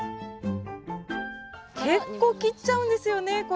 結構切っちゃうんですよねこれ。